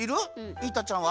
イータちゃんは？